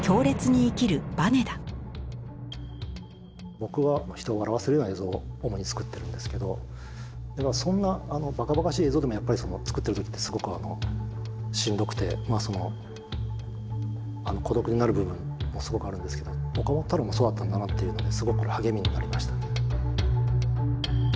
僕は人を笑わせるような映像を主に作ってるんですけどそんなバカバカしい映像でもやっぱり作ってる時ってすごくしんどくて孤独になる部分もすごくあるんですけど岡本太郎もそうだったんだなっていうのですごく励みになりましたね。